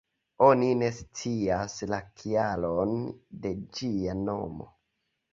Oni ne scias la kialon de ĝia nomo.